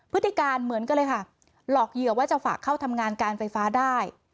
พฤติการเหมือนกันเลยค่ะหลอกเหยื่อว่าจะฝากเข้าทำงานการไฟฟ้าได้